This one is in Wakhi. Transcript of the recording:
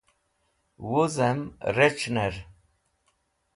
wuz'em rec̃h'ner